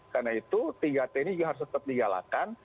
karena itu tiga t ini juga harus tetap digalakkan